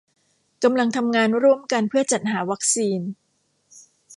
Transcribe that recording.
กำลังทำงานร่วมกันเพื่อจัดหาวัคซีน